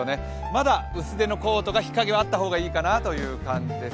まだ薄手のコートが日陰はあった方がいいかなという感じです。